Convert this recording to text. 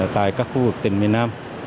tại các khu vực tỉnh miền nam